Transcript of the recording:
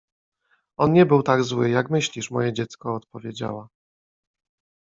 — On nie był tak zły, jak myślisz, moje dziecko — odpowiedziała.